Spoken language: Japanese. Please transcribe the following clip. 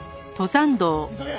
急げ！